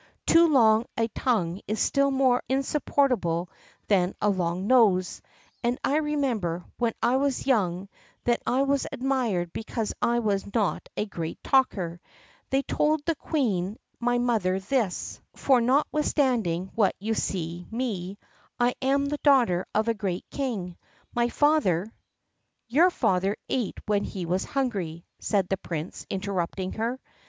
Too long a tongue is still more insupportable than a long nose, and I remember, when I was young, that I was admired because I was not a great talker; they told the Queen my mother this, for notwithstanding what you now see me, I am the daughter of a great King. My father " "Your father ate when he was hungry," said the Prince, interrupting her.